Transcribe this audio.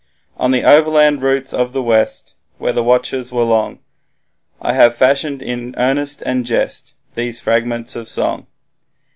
On the overland routes of the west, When the watches were long, I have fashioned in earnest and jest These fragments of song.